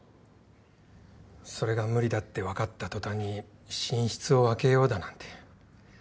それが無理だってわかった途端に寝室を分けようだなんて。